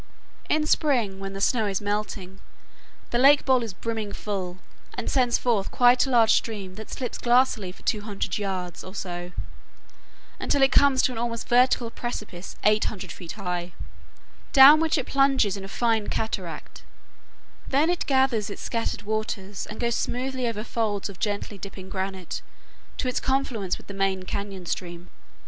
In spring, when the snow is melting, the lake bowl is brimming full, and sends forth quite a large stream that slips glassily for 200 yards or so, until it comes to an almost vertical precipice 800 feet high, down which it plunges in a fine cataract; then it gathers its scattered waters and goes smoothly over folds of gently dipping granite to its confluence with the main cañon stream.